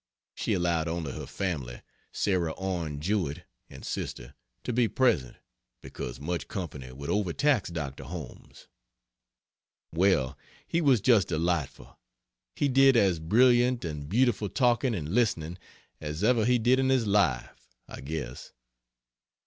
She allowed only her family (Sarah Orne Jewett and sister) to be present, because much company would overtax Dr. Holmes. Well, he was just delightful! He did as brilliant and beautiful talking (and listening) as ever he did in his life, I guess.